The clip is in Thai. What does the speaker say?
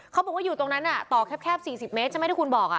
เขาบอกว่าอยู่ตรงนั้นต่อแคบ๔๐เมตรใช่ไหมที่คุณบอก